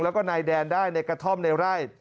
แล้วก็นายแดนได้ในกระท่อมในไร่